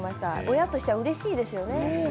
親としてうれしいですね。